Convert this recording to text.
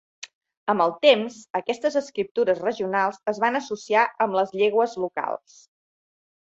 Amb el temps, aquestes escriptures regionals es van associar amb les llegües locals.